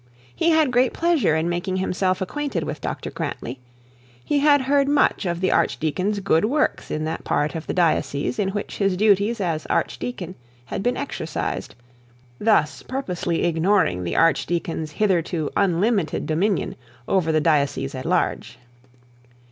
He had great pleasure in making himself acquainted with Dr Grantly; he had heard much of the archdeacon's good works in that part of the diocese in which his duties as archdeacon had been exercised (thus purposely ignoring the archdeacon's hitherto unlimited dominion over the diocese at large).